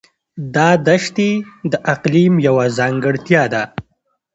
دا دښتې د اقلیم یوه ځانګړتیا ده.